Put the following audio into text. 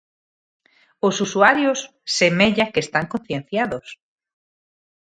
Os usuarios semella que están concienciados.